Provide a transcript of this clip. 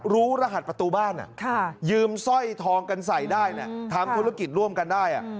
รหัสประตูบ้านยืมสร้อยทองกันใส่ได้ทำธุรกิจร่วมกันได้